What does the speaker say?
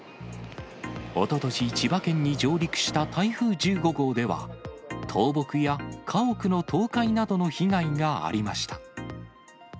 おととし、千葉県に上陸した台風１５号では、倒木や家屋の倒壊などの被害がありました。